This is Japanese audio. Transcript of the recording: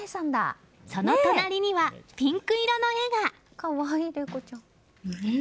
その隣にはピンク色の絵が。